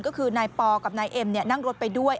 ก็คือนายปอกับนายเอ็มนั่งรถไปด้วย